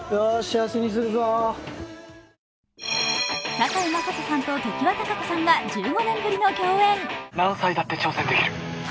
堺雅人さんと常盤貴子さんが１５年ぶりの共演。